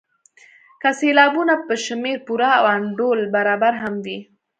که سېلابونه په شمېر پوره او انډول برابر هم وي.